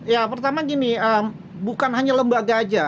ya pertama gini bukan hanya lembaga aja